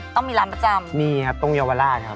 ต้องมีร้านประจำมีครับตรงเยาวราชครับ